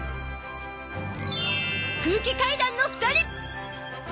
空気階段の２人